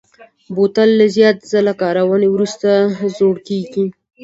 بوتل له زیات ځله کارونې وروسته زوړ کېږي.